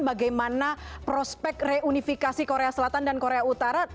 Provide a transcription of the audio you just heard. bagaimana prospek reunifikasi korea selatan dan korea utara